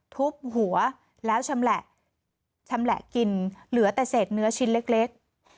ทุบหัวแล้วชำแหละชำแหละกินเหลือแต่เศษเนื้อชิ้นเล็ก